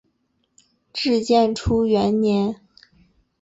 至建初元年。